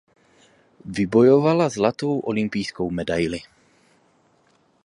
Vybojovala zlatou olympijskou medaili.